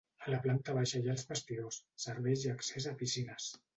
A la planta baixa hi ha els vestidors, serveis i accés a piscines.